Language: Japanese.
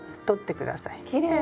きれい！